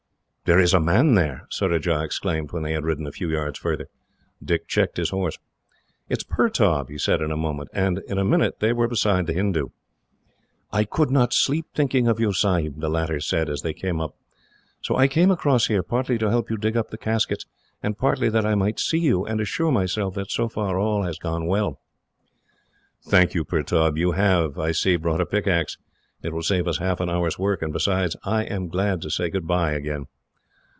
"There is a man there," Surajah exclaimed, when they had ridden a few yards farther. Dick checked his horse. "It is Pertaub," he said, a moment later, and in a minute they were beside the Hindoo. "I could not sleep, thinking of you, Sahib," the latter said, as they came up. "So I came across here, partly to help you dig up the caskets, and partly that I might see you, and assure myself that, so far, all had gone well." "Thank you, Pertaub. You have, I see, brought a pickaxe. It will save us half an hour's work; and besides, I am glad to say goodbye again.